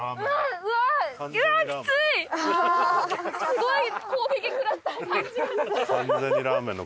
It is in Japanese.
すごい。